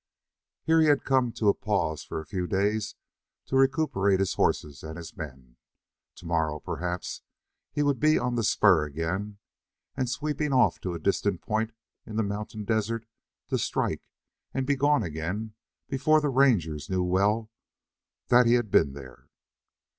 Here he had come to a pause for a few days to recuperate his horses and his men. Tomorrow, perhaps, he would be on the spur again and sweeping off to a distant point in the mountain desert to strike and be gone again before the rangers knew well that he had been there.